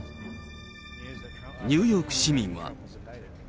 ニューヨーク市民は。